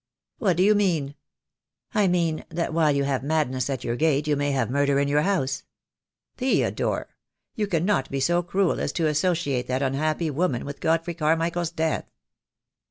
"What do you mean?" "I mean that while you have madness at your gate you may have murder in your house." THE DAY WILL COME. OD "Theodore! You cannot be so cruel as to associate that unhappy woman with Godfrey CarmichaePs death?"